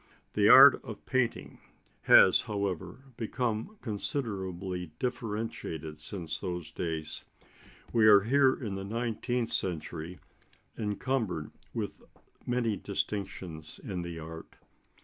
The art of painting has, however, become considerably differentiated since those days. We are here in the nineteenth century encumbered with many distinctions in the art.